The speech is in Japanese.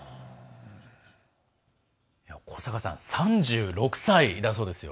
古坂さん３６歳だそうですよ。